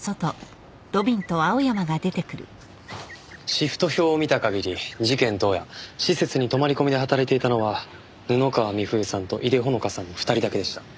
シフト表を見た限り事件当夜施設に泊まり込みで働いていたのは布川美冬さんと井手穂香さんの２人だけでした。